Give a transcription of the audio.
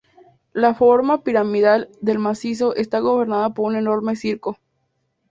La forma piramidal del macizo está gobernada por un enorme circo.